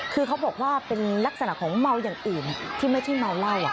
คือเขาบอกว่าเป็นลักษณะของเมาอย่างอื่นที่ไม่ใช่เมาเหล้า